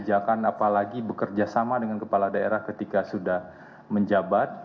apalagi bekerja sama dengan kepala daerah ketika sudah menjabat